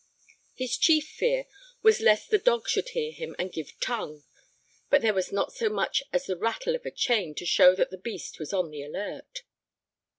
His chief fear was lest the dog should hear him and give tongue. But there was not so much as the rattle of a chain to show that the beast was on the alert.